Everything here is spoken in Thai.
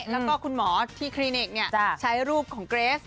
แล้วก็คุณหมอที่คลินิกใช้รูปของเกรส